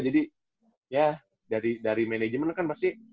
jadi ya dari manajemen kan pasti